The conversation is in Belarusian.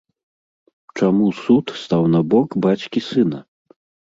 Чаму суд стаў на бок бацькі сына?